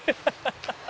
ハハハハ！